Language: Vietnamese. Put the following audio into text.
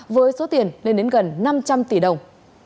với số tiền lên đến gần năm trăm linh tỷ đồng